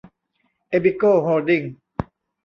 เอบิโก้ โฮลดิ้งส์